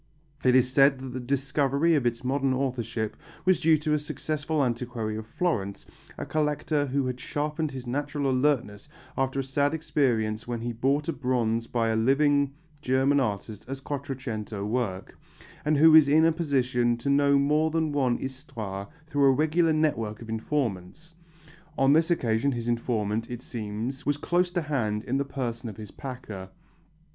It is said that the discovery of its modern authorship was due to a successful antiquary of Florence, a collector who has sharpened his natural alertness after a sad experience when he bought a bronze by a living German artist as Quattrocento work, and who is in a position to know more than one histoire through a regular network of informants. On this occasion his informant, it seems, was close to hand in the person of his packer.